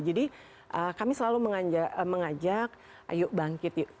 jadi kami selalu mengajak ayo bangkit yuk